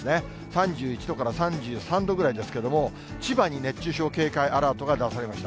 ３１度から３３度ぐらいですけども、千葉に熱中症警戒アラートが出されました。